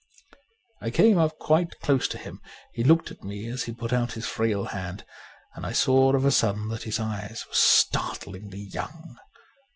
I came up quite close to him ; he looked at me as he put out his frail hand, and I saw of a sudden that his eyes were startlingly young.